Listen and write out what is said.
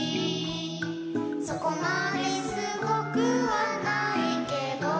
「そこまですごくはないけど」